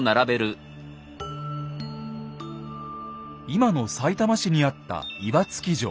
今のさいたま市にあった岩槻城。